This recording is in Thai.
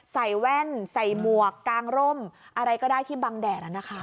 แว่นใส่หมวกกางร่มอะไรก็ได้ที่บังแดดนะคะ